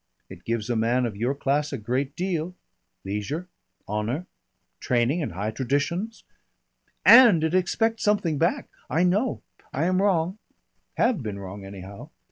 It gives a man of your class a great deal. Leisure. Honour. Training and high traditions " "And it expects something back. I know. I am wrong have been wrong anyhow.